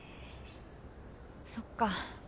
そっか。